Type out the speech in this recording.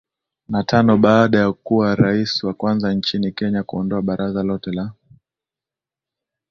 na tano baada ya kuwa Rais wa kwanza nchini Kenya kuondoa baraza lote la